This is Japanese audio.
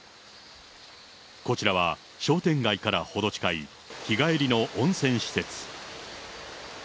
こちらは商店街から程近い、日帰りの温泉施設。